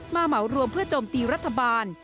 เหมารวมเพื่อโจมตีรัฐบาล